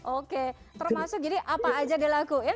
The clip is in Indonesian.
oke termasuk jadi apa aja dilakuin